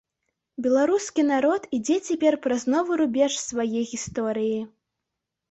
Беларускі народ ідзе цяпер праз новы рубеж свае гісторыі.